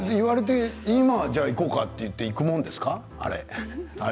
今行こうかと言って行くものなんですか？